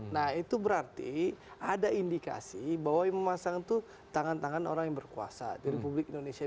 nah itu berarti ada indikasi bahwa yang memasang itu tangan tangan orang yang berkuasa